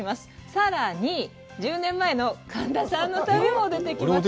さらに１０年前の神田さんの旅も出てきますよ